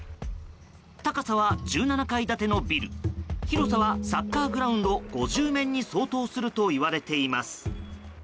高さは１７階建てのビル広さはサッカーグラウンド５０面に相当するといわれています。